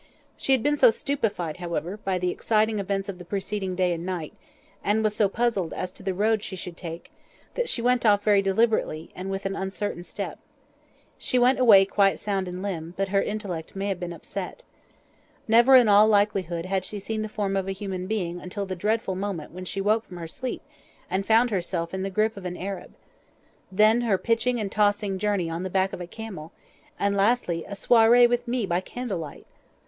She had been so stupefied, however, by the exciting events of the preceding day and night, and was so puzzled as to the road she should take, that she went off very deliberately, and with an uncertain step. She went away quite sound in limb, but her intellect may have been upset. Never in all likelihood had she seen the form of a human being until the dreadful moment when she woke from her sleep and found herself in the grip of an Arab. Then her pitching and tossing journey on the back of a camel, and lastly, a soireé with me by candlelight!